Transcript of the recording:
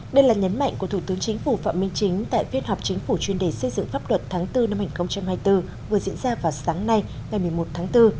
đây là nhấn mạnh của thủ tướng chính phủ phạm minh chính tại phiên họp chính phủ chuyên đề xây dựng pháp luật tháng bốn năm hai nghìn hai mươi bốn vừa diễn ra vào sáng nay ngày một mươi một tháng bốn